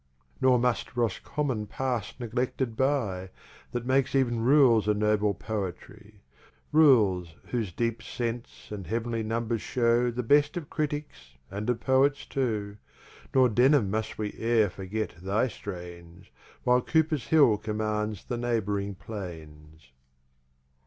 Nor must Roscommon pass neglected by, That makes ev'n Rules a noble Poetry: Rules who's deep Sense and Heav'nly Numbers show The best of Critticks, and of Poets too. Nor Denham must we e'er forget thy Strains, While Cooper's Hill commands the neighb'ring Plains.